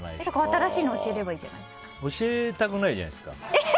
新しいの教えればいいじゃないですか。